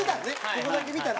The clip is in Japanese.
ここだけ見たら。